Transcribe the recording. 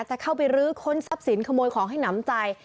จะเข้าไปรื้อค้นทรัพย์สินขโมยของให้หนำใจ